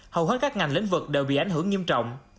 hầu hết các ngành lĩnh vực đều bị ảnh hưởng nghiêm trọng